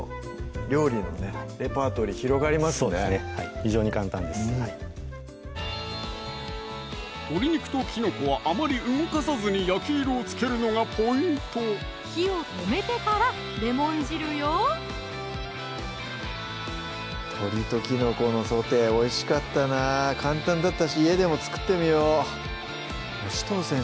非常に簡単です鶏肉ときのこはあまり動かさずに焼き色をつけるのがポイント火を止めてからレモン汁よ「鶏ときのこのソテー」おいしかったな簡単だったし家でも作ってみよう紫藤先生